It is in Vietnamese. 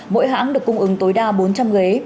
mỗi hãng được cung ứng tối đa bốn trăm linh ghế